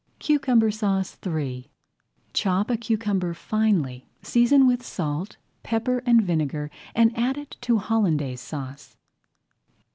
CUCUMBER SAUCE III Chop a cucumber finely, season with salt, [Page 21] pepper, and vinegar and add it to Hollandaise Sauce.